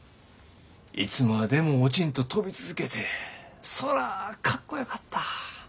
いつまでも落ちんと飛び続けてそらかっこよかった。